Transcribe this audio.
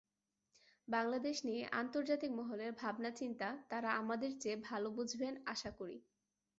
বাংলাদেশ নিয়ে আন্তর্জাতিক মহলের ভাবনাচিন্তা তাঁরা আমাদের চেয়ে ভালো বুঝবেন আশা করি।